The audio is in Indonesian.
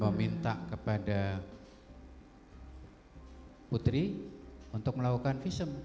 meminta kepada putri untuk melakukan visum